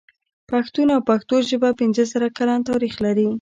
پښتون او پښتو ژبه پنځه زره کلن تاريخ لري.